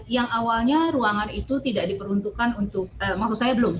yang awalnya ruangan itu tidak diperuntukkan untuk maksud saya belum